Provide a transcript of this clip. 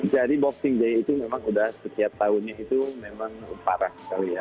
boxing day itu memang sudah setiap tahunnya itu memang parah sekali ya